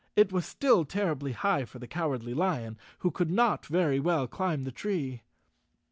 It was still terribly high for the Cowardly Lion, who could not very well climb the tree.